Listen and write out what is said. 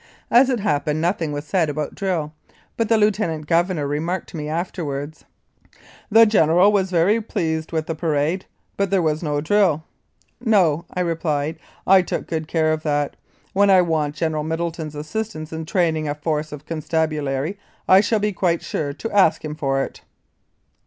As it happened nothing was said about drill, but the Lieutenant Governor remarked to me afterwards: "The General was very pleased with the parade, but there was no drill." "No," I replied, "I took good care of that; when I want General Middleton's assistance in train ing a force of constabulary I shall be quite sure to ask him for it."